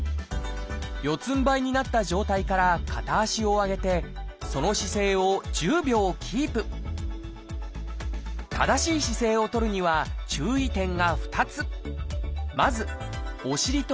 四つんばいになった状態から片足を上げてその姿勢を１０秒キープ正しい姿勢を取るには注意点が２つ。